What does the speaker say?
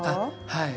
はい。